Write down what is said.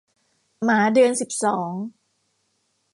หมาเดือนสิบสอง